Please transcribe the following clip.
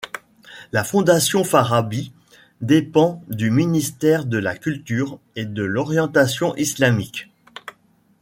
La fondation Farabi dépend du ministère de la culture et de l'orientation islamique.